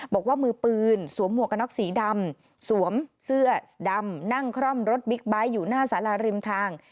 บอกว่ามือปืนสวมหมวกกระน็อกสีดำสวมเสื้อดำนั่งคล่อมรถบิ๊กไบท์อยู่หน้าสาราริมทาง